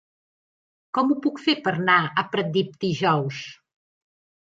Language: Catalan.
Com ho puc fer per anar a Pratdip dijous?